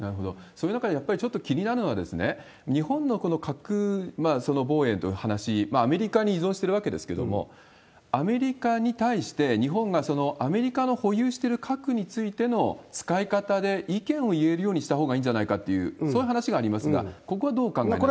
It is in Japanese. そういう中で、やっぱりちょっと気になるのは、日本のこの核防衛という話、アメリカに依存してるわけですけれども、アメリカに対して、日本がアメリカの保有している核についての使い方で意見を言えるようにしたほうがいいんじゃないかという、そういう話がありますが、ここはどうお考えですか？